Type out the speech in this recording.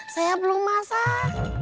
saya belum masak